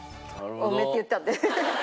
「多め」って言ってたので。